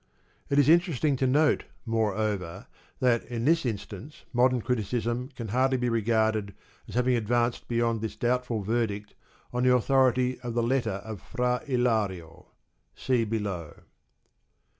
It is interesting to note, moreover, that in this instance modern criticism can hardly be regarded as having advanced beyond this doubtful verdict on the authority of the Metter of Fra I/ario* (see below).